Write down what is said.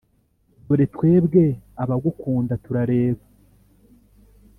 dore twebwe abagukunda, turareba